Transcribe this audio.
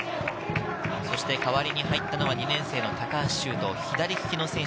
代わりに入ったのは２年生の高橋修斗、左利きの選手。